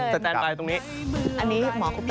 จะแจนไปตรงนี้